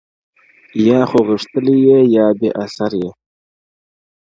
یا خو غښتلی یا بې اثر یې-